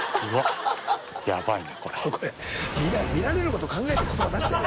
これ見られること考えて言葉出してる？）